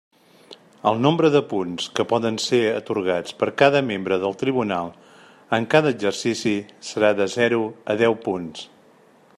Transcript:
El nombre de punts que poden ser atorgats per cada membre del tribunal en cada exercici serà de zero a deu punts.